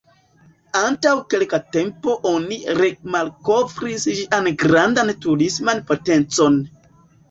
Antaŭ kelka tempo oni remalkovris ĝian grandan turisman potencon.